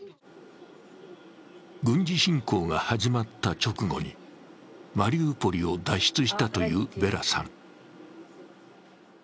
軍事侵攻が始まった直後にマリウポリを脱出したというヴェラさん。